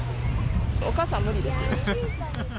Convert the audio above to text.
お母さんは無理です。